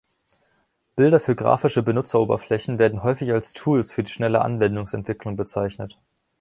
Builder für grafische Benutzeroberflächen werden häufig als Tools für die schnelle Anwendungsentwicklung bezeichnet.